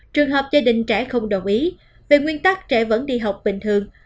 trường hợp gia đình trẻ không đồng ý về nguyên tắc trẻ vẫn đi học bình thường